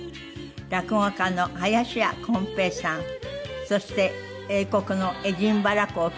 落語家の林家こん平さんそして英国のエディンバラ公フィリップ殿下です。